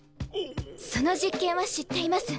その実験は知っています。